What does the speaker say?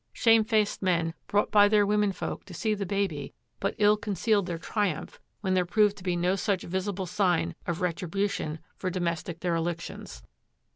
Shamefaced men brought by their women folk to see the baby but ill concealed their triumph when there proved to be no such visible sign of retribution for domestic derelictions.